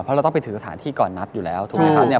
เพราะเราต้องไปถึงสถานที่ก่อนนัดอยู่แล้วถูกไหมครับ